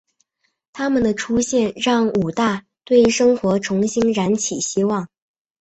她们的出现让武大对生活重新燃起希望。